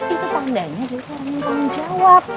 itu tandanya dia orang yang tanggung jawab